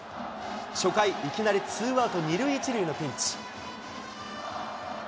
初回、いきなり２アウト２塁１塁のピンチ。